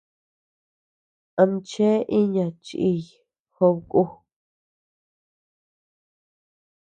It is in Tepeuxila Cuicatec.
Amchea iña chiʼiy jobe ku.